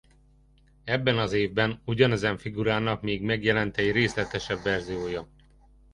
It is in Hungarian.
Ebben az évben ugyanezen figurának még megjelent egy részletesebb verziója.